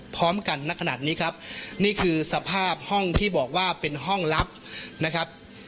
พร้อมกันนักขนาดนี้ครับนี่คือสภาพห้องที่บอกว่าเป็นห้องลับนะครับ